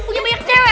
punya banyak cewek